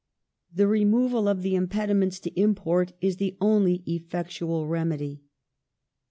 The removal of the impedi ments to import is the only effectual remedy."